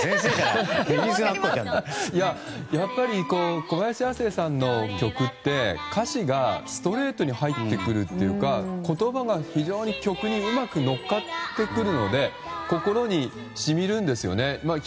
やっぱり小林亜星さんの曲って歌詞がストレートに入ってくるというか言葉が非常に曲にうまく乗っかってくるので心に染みるんですよね。